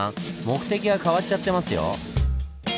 目的が変わっちゃってますよ。